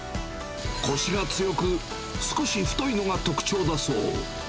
こしが強く、少し太いのが特徴だそう。